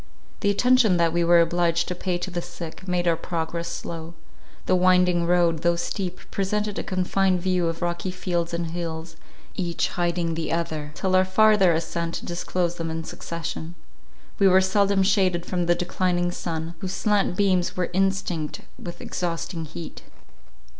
The attention that we were obliged to pay to the sick, made our progress slow. The winding road, though steep, presented a confined view of rocky fields and hills, each hiding the other, till our farther ascent disclosed them in succession. We were seldom shaded from the declining sun, whose slant beams were instinct with exhausting heat.